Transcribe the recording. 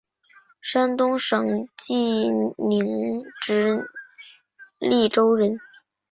山东省济宁直隶州人。